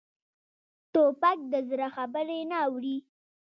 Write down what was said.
توپک د زړه خبرې نه اوري.